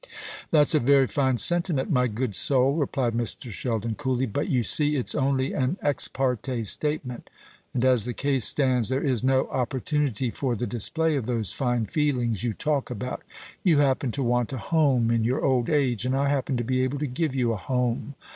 "That's a very fine sentiment, my good soul," replied Mr. Sheldon coolly; "but, you see, it's only an ex parte statement; and as the case stands there is no opportunity for the display of those fine feelings you talk about. You happen to want a home in your old age, and I happen to be able to give you a home.